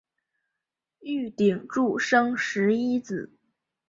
玉鼎柱生十一子。